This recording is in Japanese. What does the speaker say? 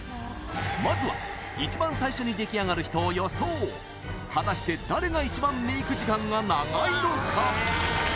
まずは一番最初に出来上がる人を予想果たして誰が一番メイク時間が長いのか？